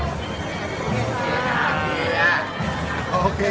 เลยคิดว่ามีป้องอยู่